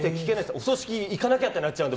お葬式行かなきゃってなっちゃうんで。